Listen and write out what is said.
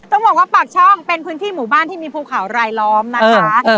ต้องบอกว่าปากช่องเป็นพื้นที่หมู่บ้านที่มีภูเขารายล้อมนะคะ